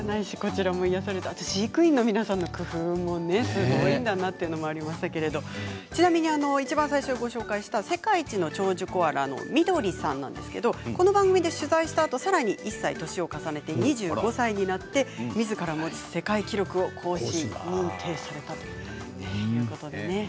飼育員の皆さんの工夫もすごいんだなというのもありましたけれどもちなみに、最初にご紹介した世界一の長寿コアラのみどりさんなんですけれどもこの番組で取材したあと、さらに１歳年を重ねて２５歳になってみずから持つ世界記録を更新認定されたということです。